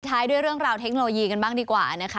ท้ายด้วยเรื่องราวเทคโนโลยีกันบ้างดีกว่านะคะ